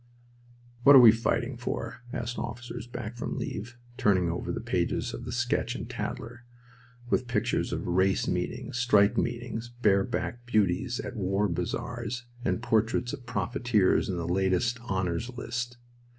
"What are we fighting for?" asked officers back from leave, turning over the pages of the Sketch and Tatler, with pictures of race meetings, strike meetings, bare backed beauties at war bazaars, and portraits of profiteers in the latest honors list.